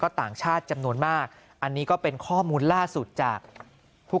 ต่างชาติจำนวนมากอันนี้ก็เป็นข้อมูลล่าสุดจากผู้